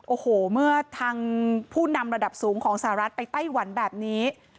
โอ้โหเมื่อทางผู้นำระดับสูงของสหรัฐไปไต้หวันแบบนี้